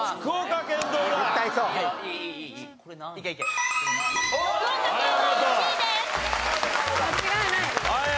間違いない！